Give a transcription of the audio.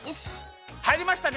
はいりましたね？